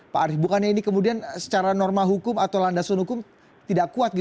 pak arief bukannya ini kemudian secara norma hukum atau landasan hukum tidak kuat